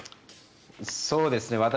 そうですね。